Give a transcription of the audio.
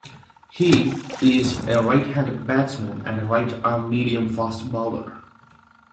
He is a right-handed batsman and right-arm medium-fast bowler.